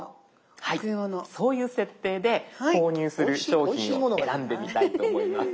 そういう設定で購入する商品を選んでみたいと思います。